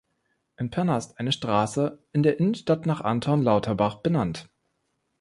In Pirna ist eine Straße in der Innenstadt nach Anton Lauterbach benannt.